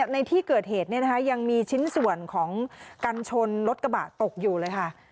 ในที่เกิดเหตุยังมีชิ้นส่วนของกันชนรถกระบะตกอยู่เลยค่ะ